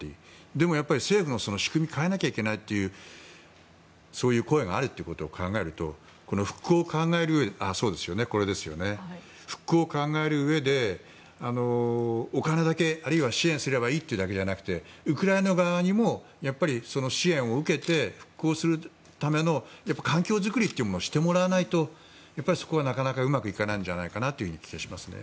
でも、政府の仕組みを変えなきゃいけないというそういう声があるということを考えると復興を考えるうえでお金だけ、あるいは支援すればいいというわけじゃなくてウクライナ側にもやっぱり支援を受けて復興するための環境作りをしてもらわないとそこはなかなかうまくいかないんじゃないかという気がしますね。